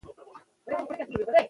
برېښنا وکارول شوه.